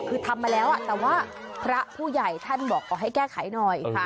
คือทำมาแล้วแต่ว่าพระผู้ใหญ่ท่านบอกขอให้แก้ไขหน่อย